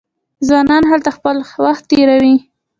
ځوانان هلته خپل وخت تیروي.